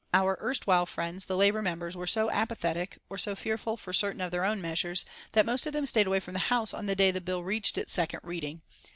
Our erstwhile friends, the Labour members, were so apathetic, or so fearful for certain of their own measures, that most of them stayed away from the House on the day the bill reached its second reading.